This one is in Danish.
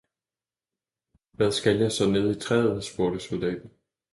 "Hvad skal jeg så nede i træet?" spurgte soldaten.